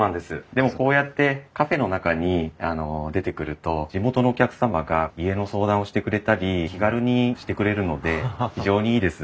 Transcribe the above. でもこうやってカフェの中に出てくると地元のお客様が家の相談をしてくれたり気軽にしてくれるので非常にいいです。